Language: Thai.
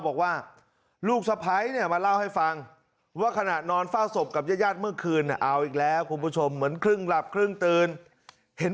บอกว่าลูกเสพ่มาเล่าให้ฟังว่าขณะนอนฝ้าศพกับญาติเมื่อคืน